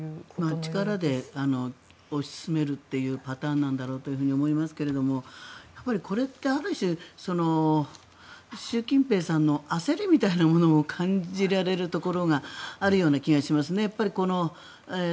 力で推し進めるというパターンなんだと思うんですがこれってある種、習近平さんの焦りみたいなものも感じられるところがあるような気がします。